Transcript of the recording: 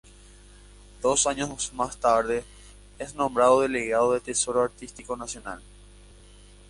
Dos años más tarde es nombrado Delegado del Tesoro Artístico Nacional.